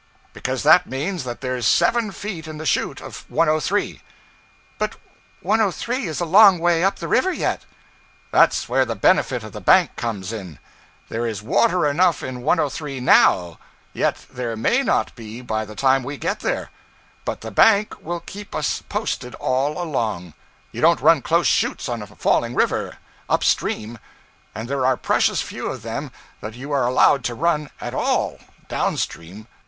'Because that means that there's seven feet in the chute of 103.' 'But 103 is a long way up the river yet.' 'That's where the benefit of the bank comes in. There is water enough in 103 now, yet there may not be by the time we get there; but the bank will keep us posted all along. You don't run close chutes on a falling river, up stream, and there are precious few of them that you are allowed to run at all down stream.